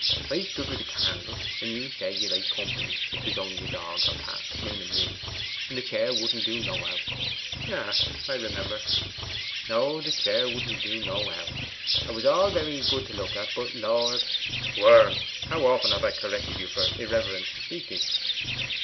'I stood with the candle, and you said you liked company, if 'twas only a dog or cat maning me; and the chair wouldn't do nohow.' 'Ah, I remember.' 'No; the chair wouldn't do nohow. 'A was very well to look at; but, Lord! ' 'Worm, how often have I corrected you for irreverent speaking?